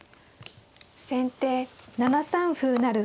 先手７三歩成。